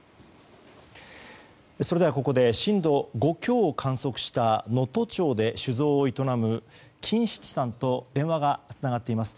それでは、ここで震度５強を観測した能登町で酒造を営む金七さんと電話がつながっています。